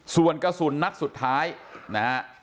ส่วนกระสุนนัดสุดท้ายนะฮะ